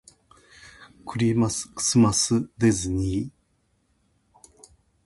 クリスマスディズニー